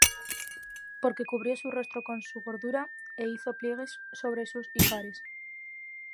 Porque cubrió su rostro con su gordura, E hizo pliegues sobre los ijares;